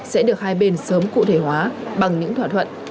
sẽ được hai bên sớm cụ thể hóa bằng những thỏa thuận và hành động cụ thể